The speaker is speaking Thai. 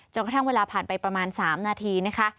กระทั่งเวลาผ่านไปประมาณ๓นาทีนะคะ